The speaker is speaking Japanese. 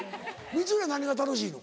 光浦何が楽しいの？